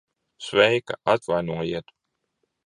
Sveika. Atvainojiet...